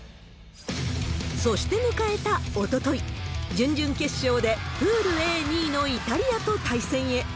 そして迎えたおととい、準々決勝でプールＡ２位のイタリアと対戦へ。